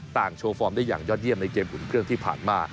โชว์ฟอร์มได้อย่างยอดเยี่ยมในเกมอุ่นเครื่องที่ผ่านมา